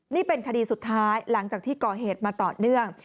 นี่เป็นคดีสุดท้ายหลังจากที่ก่อเหตุมาต่อเนื่อง